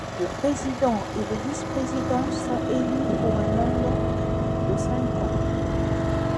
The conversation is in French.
Le président et le vice-président sont élus pour un mandat de cinq ans.